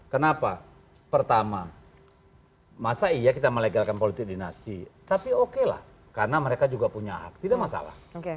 kenapa pertama masa iya kita melegalkan politik dinasti tapi oke lah karena mereka juga punya hak tidak masalah